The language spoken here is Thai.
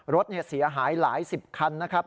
รถเสียหายหลายสิบคันนะครับ